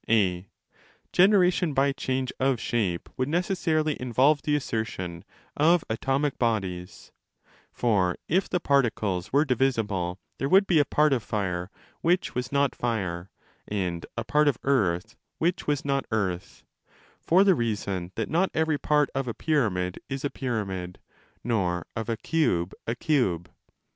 (a) Generation by change of shape would necessarily involve the assertion of atomic bodies, For if the particles were divisible there would be a part of fire which was not fire and a part of earth which was not earth, for the reason that not every part of a 35 pyramid is a pyramid nor of a cube a cube.